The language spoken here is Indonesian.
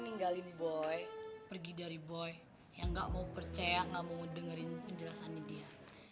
ninggalin boy pergi dari boy yang gak mau percaya nggak mau dengerin penjelasannya dia